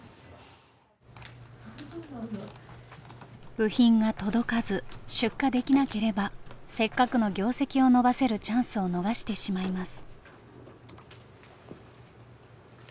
部品が届かず出荷できなければせっかくの業績を伸ばせるチャンスを逃してしまいます。